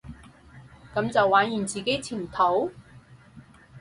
噉就玩完自己前途？